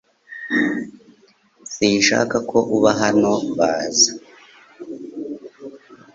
Sinshaka ko uba hano baza